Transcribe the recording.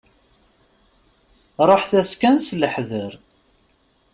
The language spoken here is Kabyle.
Ruḥet-as kan s leḥder.